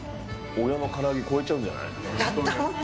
親のから揚げ、超えちゃうんやった、本当？